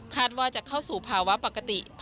ว่าจะเข้าสู่ภาวะปกติ